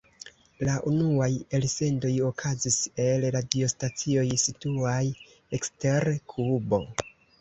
La unuaj elsendoj okazis el radiostacioj situaj ekster Kubo.